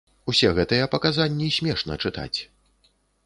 Усе гэтыя паказанні смешна чытаць.